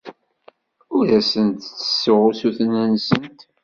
Ur asent-d-ttessuɣ usuten-nsent.